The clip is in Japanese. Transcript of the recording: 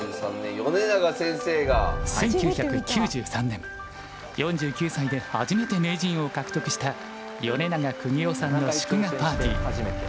１９９３年４９歳で初めて名人を獲得した米長邦雄さんの祝賀パーティー。